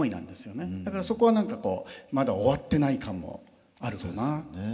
だからそこは何かこうまだ終わってない感もあるかな。